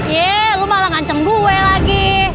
ye lo malah ngancem gue lagi